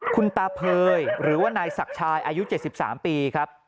คุณตาเผยหรือว่านายศักดิ์ชายอายุ๗๓ปีครับ